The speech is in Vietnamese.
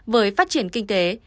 với phát triển kinh tế